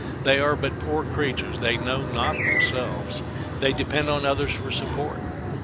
They are but poor creatures. They know not themselves. They depend on others for support.